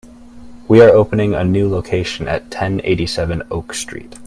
We are opening the a new location at ten eighty-seven Oak Street.